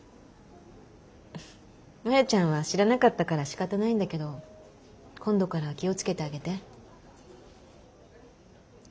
マヤちゃんは知らなかったからしかたないんだけど今度からは気を付けてあげて。